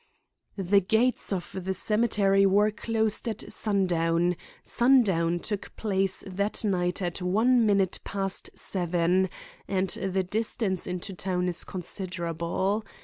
The gates of the cemetery were closed at sundown; sundown took place that night at one minute past seven, and the distance into town is considerable.